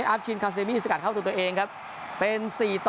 อัพชินคาเซมี่สะกัดเข้าถึงตัวเองครับเป็น๔๔